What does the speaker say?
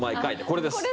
これです。